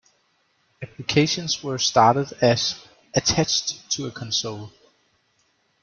Applications were started as "attached" to a console.